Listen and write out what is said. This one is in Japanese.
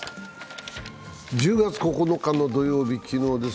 １０月９日土曜日、昨日です